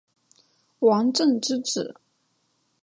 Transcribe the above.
王震之子。